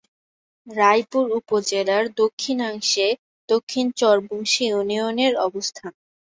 রায়পুর উপজেলার দক্ষিণাংশে দক্ষিণ চর বংশী ইউনিয়নের অবস্থান।